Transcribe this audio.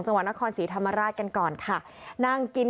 จังหวัดนครศรีธรรมราชกันก่อนค่ะนั่งกิน